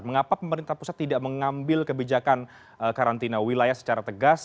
mengapa pemerintah pusat tidak mengambil kebijakan karantina wilayah secara tegas